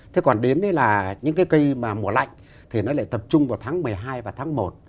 thế còn đến là những cây mà mùa lạnh thì nó lại tập trung vào tháng một mươi hai và tháng một